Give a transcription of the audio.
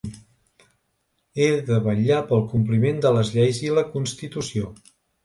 He de vetllar pel compliment de les lleis i la constitució.